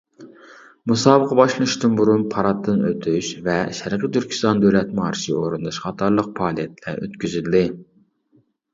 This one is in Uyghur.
مۇسابىقە باشلىنىشتىن بۇرۇن پاراتتىن ئۆتۈش ۋە شەرقى تۈركىستان دۆلەت مارىشى ئورۇنداش قاتارلىق پائالىيەتلەر ئۆتكۈزۈلدى.